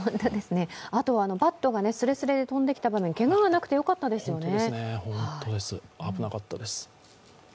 あとはバットがスレスレで飛んできた場面、けががなくてよかったですよね。